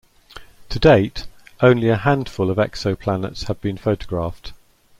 To date, only a handful of exoplanets have been photographed.